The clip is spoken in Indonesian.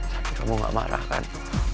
tapi kamu gak marah kan